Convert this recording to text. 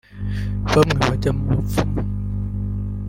Bamwe bajya mu bapfumu